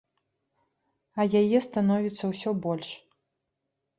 А яе становіцца ўсё больш.